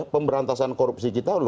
pemberantasan korupsi kita